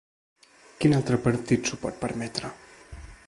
Quin altre partit s’ho pot permetre?